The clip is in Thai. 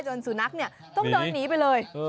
สุนัขเนี่ยต้องเดินหนีไปเลย